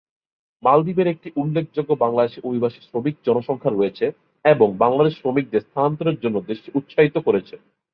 মালদ্বীপের একটি উল্লেখযোগ্য বাংলাদেশী অভিবাসী শ্রমিক জনসংখ্যা রয়েছে এবং বাংলাদেশ শ্রমিকদের স্থানান্তরের জন্য দেশটি উৎসাহিত করেছে।